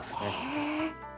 へえ。